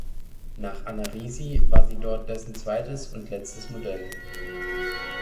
Nach Anna Risi war sie dort dessen zweites und letztes Modell.